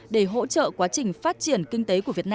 để hỗ trợ quá trình phát triển kinh tế của việt nam